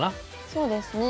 そうですね。